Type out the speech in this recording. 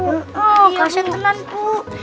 oh kasih tenang bu